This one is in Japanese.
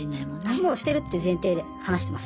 もうしてるっていう前提で話してます。